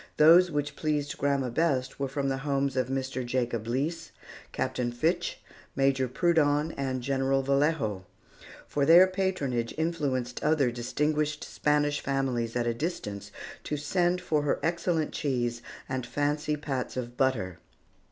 Those which pleased grandma best were from the homes of Mr. Jacob Leese, Captain Fitch, Major Prudon, and General Vallejo; for their patronage influenced other distinguished Spanish families at a distance to send for her excellent cheese and fancy pats of butter.